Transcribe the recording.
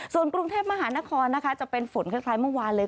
ส่วนกรุงเทพมหานครนะคะจะเป็นฝนคล้ายเมื่อวานเลย